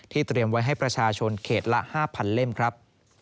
เตรียมไว้ให้ประชาชนเขตละ๕๐๐เล่มครับ